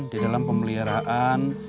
di dalam pemeliharaan